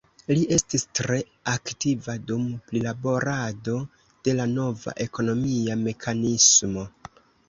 Li estis tre aktiva dum prilaborado de la nova ekonomia mekanismo.